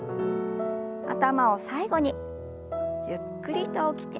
頭を最後にゆっくりと起きて。